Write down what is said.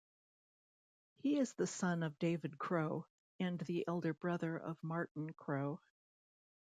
He is the son of Dave Crowe, and the elder brother of Martin Crowe.